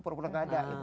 perkara gak ada